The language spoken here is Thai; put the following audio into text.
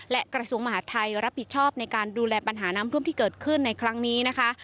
และกระทรวงมหาดไทยรับผิดชอบในการดูแลปัญหาน้ำท่วมที่เกิดขึ้นในครั้งนี้นะคะ